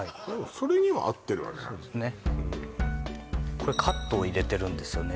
それにはカットを入れてるんですよね